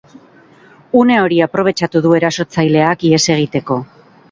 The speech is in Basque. Une hori aprobetxatu du erasotzaileak ihes egiteko.